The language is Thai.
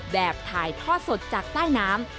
แบบถ่ายทอดสดจากใต้น้ำ